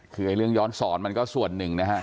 คือเรื่องย้อนสอนมันก็ส่วนหนึ่งนะฮะ